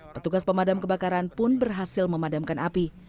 petugas pemadam kebakaran pun berhasil memadamkan api